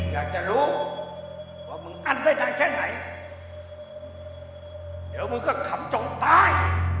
อยากจะรู้ว่ามึงอั้นได้นานแค่ไหนเดี๋ยวมึงก็ขำจงตาย